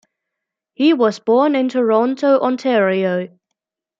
He was born in Toronto, Ontario.